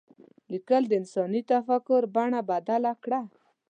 لیکل د انساني تفکر بڼه بدله کړه.